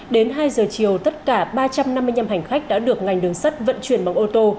đến hai giờ chiều tất cả ba trăm năm mươi năm hành khách đã được ngành đường sắt vận chuyển bằng ô tô